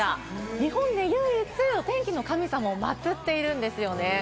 日本で唯一、天気の神様をまつっているんですよね。